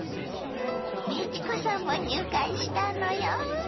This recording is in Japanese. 美智子さんも入会したのよ。